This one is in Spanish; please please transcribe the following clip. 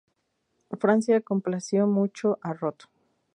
Francia complació mucho a Roth.